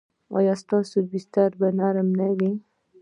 ایا ستاسو بستره به نرمه نه وي؟